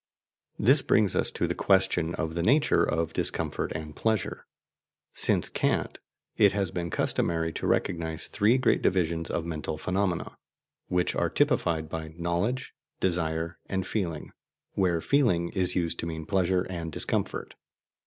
This brings us to the question of the nature of discomfort and pleasure. Since Kant it has been customary to recognize three great divisions of mental phenomena, which are typified by knowledge, desire and feeling, where "feeling" is used to mean pleasure and discomfort.